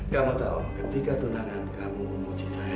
kamu tahu ketika tunangan kamu memuji saya